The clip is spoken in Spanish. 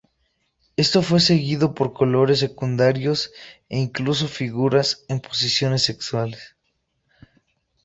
Esto fue seguido por colores secundarios e incluso figuras en posiciones sexuales.